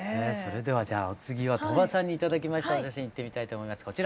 それではお次は鳥羽さんに頂きましたお写真いってみたいと思います。